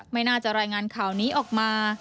ไม่น่าจะรายงานข่าวนี้ออกมา